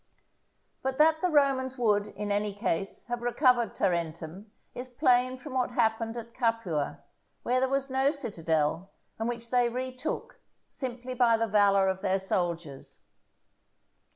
But that the Romans would, in any case, have recovered Tarentum, is plain from what happened at Capua, where there was no citadel, and which they retook, simply by the valour of their soldiers.